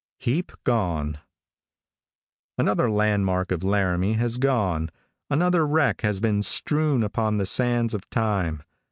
HEAP GONE. |ANOTHER land mark of Laramie has gone. Another wreck has been strewn upon the sands of time.